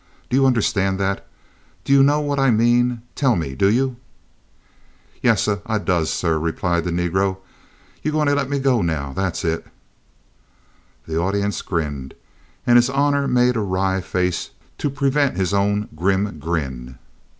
Do you understand that? Do you know what I mean? Tell me. Do you?" "Yessah! I does, sir," replied the negro. "You'se gwine to let me go now—tha's it." The audience grinned, and his honor made a wry face to prevent his own grim grin.